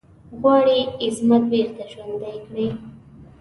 غواړي عظمت بیرته ژوندی کړی.